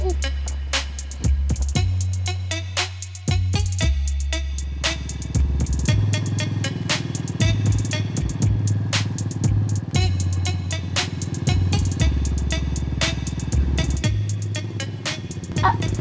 sampai dimana tadi